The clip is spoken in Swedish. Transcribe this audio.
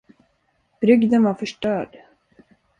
Brygden var förstörd.